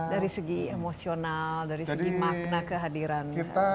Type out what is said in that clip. dari segi emosional dari segi makna kehadiran